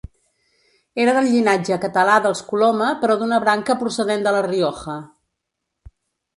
Era del llinatge català dels Coloma però d'una branca procedent de la Rioja.